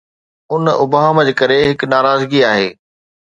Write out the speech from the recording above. ان ابهام جي ڪري، هڪ ناراضگي آهي.